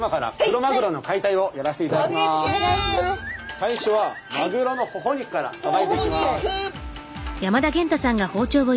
最初はマグロのほほ肉からさばいていきます。